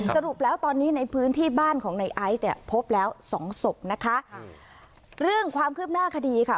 สรุปแล้วตอนนี้ในพื้นที่บ้านของในไอซ์เนี่ยพบแล้วสองศพนะคะค่ะเรื่องความคืบหน้าคดีค่ะ